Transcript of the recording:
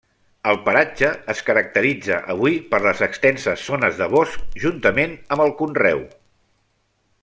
El paratge es caracteritza avui per les extenses zones de bosc juntament amb el conreu.